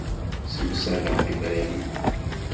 Ssemsadeɣ tiferyin.